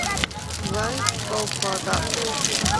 Vai kaut kā tā.